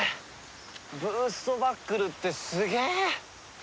ブーストバックルってすげえ！